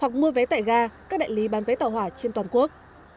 hoặc mua vé tại ga các đại lý bán vé tàu hỏa trên toàn quốc